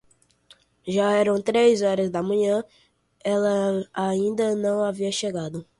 Já eram três horas da manhã, ela ainda não havia chegado.